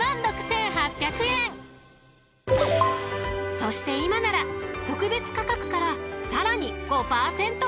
［そして今なら特別価格からさらに５％オフ］